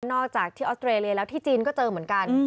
อกจากที่ออสเตรเลียแล้วที่จีนก็เจอเหมือนกัน